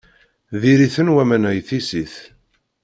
Diri-ten waman-a i tissit.